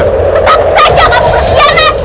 tetap saja kamu berkhianat